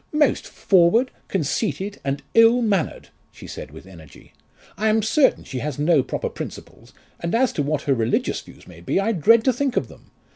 "Most forward, conceited, and ill mannered," she said with energy. "I am certain she has no proper principles, and as to what her religious views may be, I dread to think of them!